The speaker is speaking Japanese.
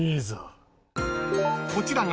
［こちらが］